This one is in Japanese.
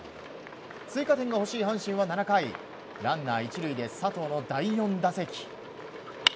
追加点が欲しい阪神は７回ランナー１塁で佐藤の第４打席。